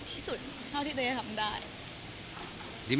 คือเป็นแบบตามแบบเนี้ย